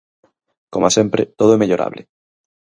Coma sempre, todo é mellorable.